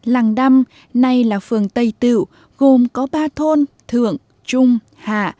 làng đăm nay là phường tây tiệu gồm có ba thôn thượng trung hạ